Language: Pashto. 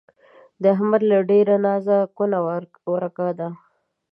د احمد له ډېره نازه کونه ورکه ده.